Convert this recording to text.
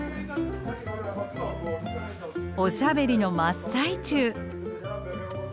おしゃべりの真っ最中。